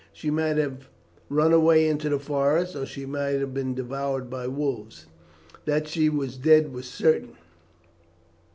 She might have run away into the forest, or she might have been devoured by wolves. That she was dead was certain.